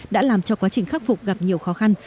đã làm cho quá trình khắc phục gặp nhiều khó khăn